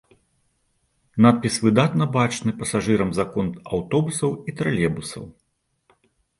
Надпіс выдатна бачны пасажырам з акон аўтобусаў і тралейбусаў.